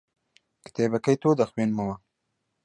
کتێبەکەی تۆ دەخوێنمەوە.